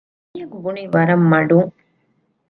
އެމީހަކު ބުނީ ވަރަށް މަޑުން